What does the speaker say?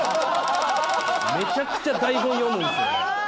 めちゃくちゃ台本読むんですよね。